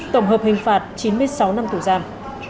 tổng hợp hình phạt chín mươi sáu năm tù giam